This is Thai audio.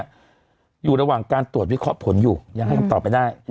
อยู่ระหว่างการตรวจวิเคราะห์ผลอยู่ยังให้คำตอบไม่ได้